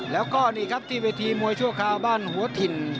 แล้วก็นี่ครับที่เวทีมวยชั่วคราวบ้านหัวถิ่น